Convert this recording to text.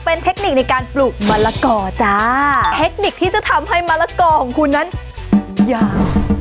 เป็นเทคนิคในการปลูกมะละกอจ้าเทคนิคที่จะทำให้มะละกอของคุณนั้นยาก